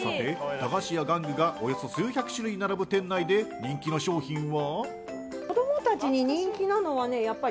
駄菓子や玩具がおよそ数百種類並ぶ店内で人気の商品は？